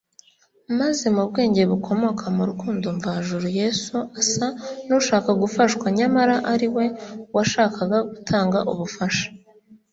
, maze mu bwenge bukomoka mu rukundo mvajuru, Yesu asa n’ushaka gufashwa, nyamara ari we washakaga gutanga ubufasha